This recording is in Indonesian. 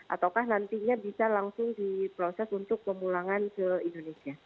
ataukah nantinya bisa langsung diproses untuk pemulangan ke indonesia